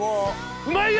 うまいよ！